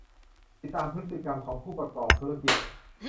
ติดตามพฤติกรรมของผู้ประกอบธุรกิจ